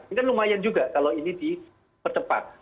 ini kan lumayan juga kalau ini dipercepat